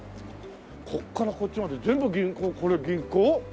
こっからこっちまで全部銀行これ銀行？